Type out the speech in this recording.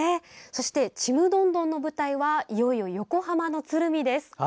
そして「ちむどんどん」の舞台はいよいよ横浜の鶴見です。